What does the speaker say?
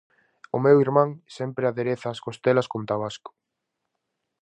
O meu irmán sempre adereza as costelas con tabasco.